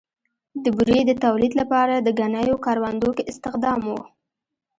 د بورې د تولید لپاره د ګنیو کروندو کې استخدام و.